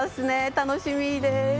楽しみです！